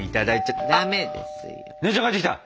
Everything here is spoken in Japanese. あっ姉ちゃん帰ってきた！